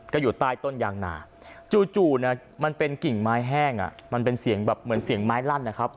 ก็อยู่ใต้ต้นยางนาจู่เนี่ยมันเป็นกิ่งไม้แห้งมันเป็นเสียงแบบเหมือนเสียงไม้ลั่นนะครับ